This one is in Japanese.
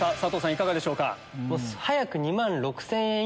いかがでしょうか？